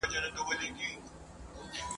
اسمان او مځکه نیولي واوري !.